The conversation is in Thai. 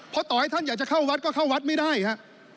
เพราะต่อให้ท่านอยากจะเข้าวัดก็เข้าวัดไม่ได้ครับ